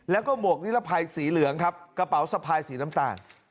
แล้วก็หมวกนิรภัยสีเหลืองครับกระเป๋าสะพายสีน้ำตาล